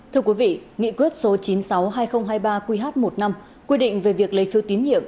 thưa quý vị nghị quyết số chín trăm sáu mươi hai nghìn hai mươi ba qh một năm quy định về việc lấy phiếu tín nhiệm